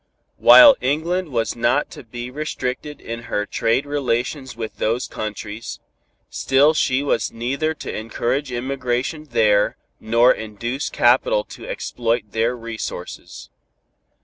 While England was not to be restricted in her trade relations with those countries, still she was neither to encourage emigration there nor induce capital to exploit their resources.